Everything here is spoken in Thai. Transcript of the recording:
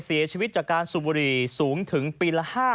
เสียชีวิตจากการซุบบรี